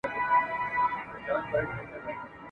د تور مار له لاسه ډېر دي په ماتم کي ..